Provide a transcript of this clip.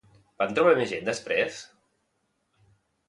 Van trobar més gent, després?